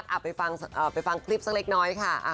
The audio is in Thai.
ถึงฟังคลิปเล็กมากเลยค่ะ